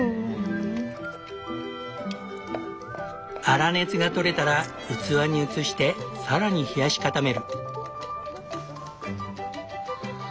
粗熱が取れたら器に移して更に冷やし固める。